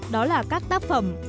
đó là các tác phẩm